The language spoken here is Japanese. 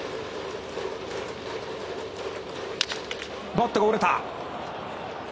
バットが折れた。